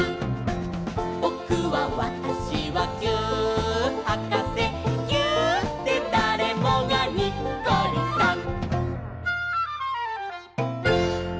「ぼくはわたしはぎゅーっはかせ」「ぎゅーっでだれもがにっこりさん！」